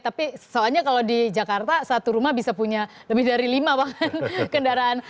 tapi soalnya kalau di jakarta satu rumah bisa punya lebih dari lima bahkan kendaraan